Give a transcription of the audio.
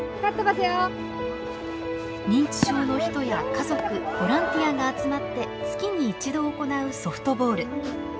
認知症の人や家族ボランティアが集まって月に一度行うソフトボール。